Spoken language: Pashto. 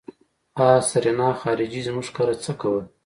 آ سېرېنا خارجۍ زموږ کره څه کول.